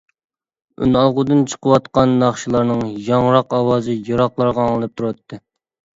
ئۈنئالغۇدىن چىقىۋاتقان ناخشىلارنىڭ ياڭراق ئاۋازى يىراقلارغا ئاڭلىنىپ تۇراتتى.